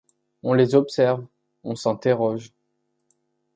On les observe, on s'interroge...